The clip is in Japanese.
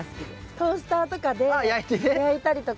トースターとかで焼いたりとか。